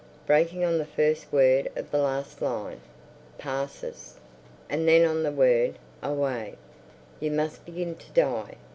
_ Breaking on the first word of the last line, Passes. And then on the word, Away, you must begin to die...